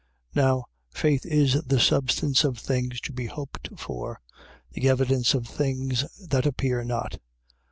11:1. Now, faith is the substance of things to be hoped for, the evidence of things that appear not.